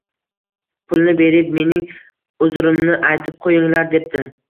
Pulni berib, mening uzrimni aytib qo’yinglar, –debdi.